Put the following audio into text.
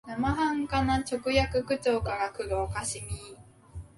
生半可な直訳口調からくる可笑しみ、